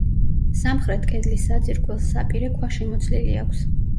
სამხრეთ კედლის საძირკველს საპირე ქვა შემოცლილი აქვს.